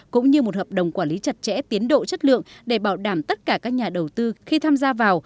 cũng như một hợp đồng quản lý chặt chẽ tiến độ chất lượng để bảo đảm tất cả các nhà đầu tư khi tham gia vào